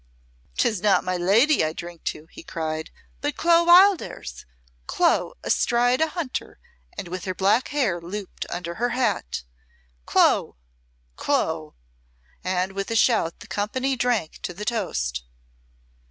"'Tis not my lady I drink to," he cried, "but Clo Wildairs Clo astride a hunter and with her black hair looped under her hat. Clo! Clo!" And with a shout the company drank to the toast.